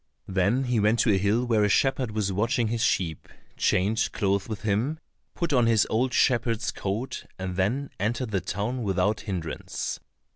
Then he went to a hill where a shepherd was watching his sheep, changed clothes with him, put on his old shepherd's coat, and then entered the town without hindrance.